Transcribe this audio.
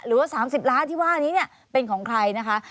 หรือว่า๓๐ล้านที่ว่านี้เนี่ยเป็นของใครนะคะ